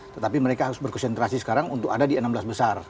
tetapi mereka harus berkonsentrasi sekarang untuk ada di enam belas besar